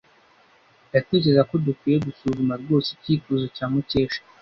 Ndatekereza ko dukwiye gusuzuma rwose icyifuzo cya Mukesha.